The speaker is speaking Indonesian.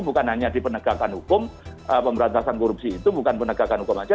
bukan hanya di penegakan hukum pemberantasan korupsi itu bukan penegakan hukum saja